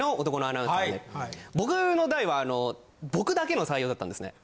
僕の代はあの僕だけの採用だったんですね。